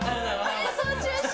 演奏中止！